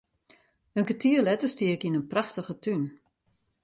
In kertier letter stie ik yn in prachtige tún.